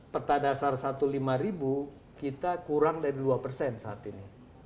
peta dasar satu lima ribu kita kurang dari dua persen saat ini